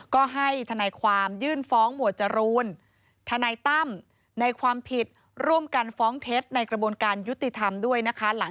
ก็ให้ทนายความยื่นฟ้องหมวดจรูนทนายตั้มในความผิดร่วมกันฟ้องเท็จในกระบวนการยุติธรรมด้วยนะคะ